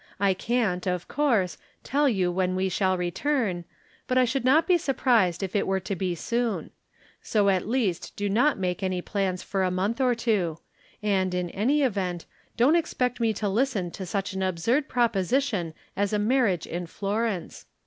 I can't, of course, tell you when we shall return, but I should not be surprised if it were to be soon. So at least do not make any plans for a month or two ; and, in any event, don't expect me to listen to such an absurd proposition as a marriage in Florence.